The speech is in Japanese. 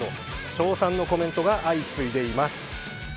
称賛のコメントが相次いでいます。